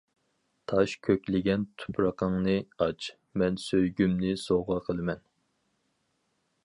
تاش كۆكلىگەن تۇپرىقىڭنى ئاچ، مەن سۆيگۈمنى سوۋغا قىلىمەن.